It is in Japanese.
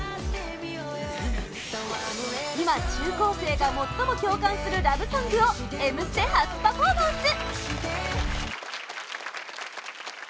今、中高生が最も共感するラブソングを「Ｍステ」初パフォーマンス！